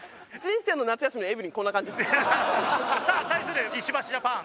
さあ対する石橋ジャパン。